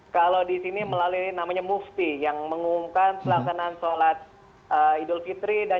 kalau di sini melalui namanya mufti yang mengumumkan pelaksanaan sholat idul fitri